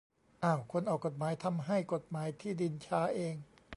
อ้าว ! คนออกกฎหมายทำให้กฎหมายที่ดินช้าเอง ?